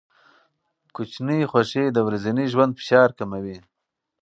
کوچني خوښۍ د ورځني ژوند فشار کموي.